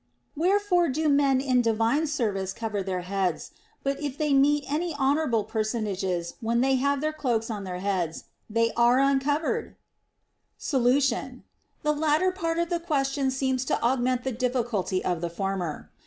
Wherefore do men in divine service cover their heads ; but if they meet any honorable personages VOL. II. 14 210 THE ROMAN QUESTIONS. when they have their cloaks on their heads, they are uncov ered ? Solution. The latter part of the question seems to aug ment the difficulty of the former.